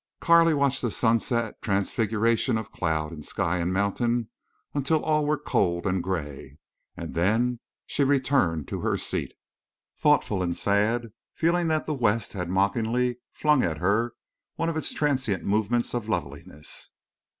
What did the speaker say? Carley watched the sunset transfiguration of cloud and sky and mountain until all were cold and gray. And then she returned to her seat, thoughtful and sad, feeling that the West had mockingly flung at her one of its transient moments of loveliness.